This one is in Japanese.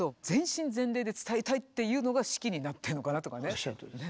おっしゃるとおりです。